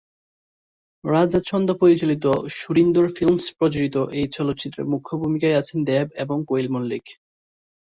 রাজা চন্দ পরিচালিত, সুরিন্দর ফিল্মস প্রযোজিত এই চলচ্চিত্রে মুখ্য ভূমিকায় আছেন দেব এবং কোয়েল মল্লিক।